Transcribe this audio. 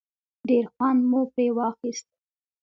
ډېر خوند مو پرې واخیست.